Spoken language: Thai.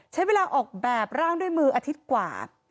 ใช้เวลาออกแบบร่างด้วยมืออาทิตย์กว่า